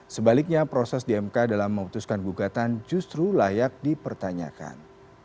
sebaliknya proses dmk dalam memutuskan gugatan justru layak dipertanyakan